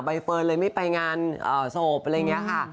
เฟิร์นเลยไม่ไปงานศพอะไรอย่างนี้ค่ะ